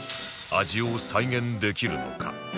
味を再現できるのか！？